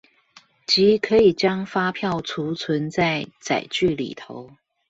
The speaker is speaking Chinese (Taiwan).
即可以將發票儲存在載具裏頭